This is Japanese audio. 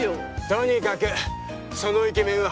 とにかくそのイケメンは犯罪者だ。